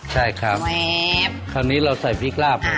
ใช่ครับคราวนี้เราใส่พริกลาบ